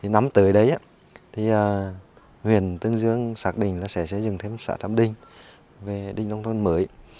nắm tới đấy huyện tinh dương xác đình sẽ xây dựng thêm xã thám đinh về đình nông thôn mới